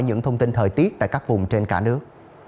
những thông tin thời tiết tại các vùng trên cả nước